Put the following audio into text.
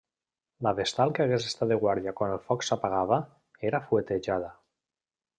La vestal que hagués estat de guàrdia quan el foc s'apagava, era fuetejada.